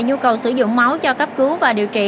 nhu cầu sử dụng máu cho cấp cứu và điều trị